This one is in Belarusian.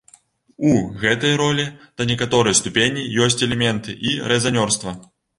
У гэтай ролі, да некаторай ступені, ёсць элементы і рэзанёрства.